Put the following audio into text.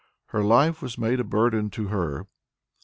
Her life was made a burden to her!